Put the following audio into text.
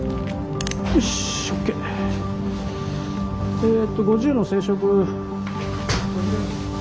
えっと５０の生食。